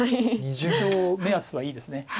一応目安はいいです。